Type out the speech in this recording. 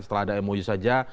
setelah ada mou saja